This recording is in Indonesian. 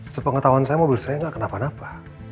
sepengetahuan saya mobil saya nggak kenapa napa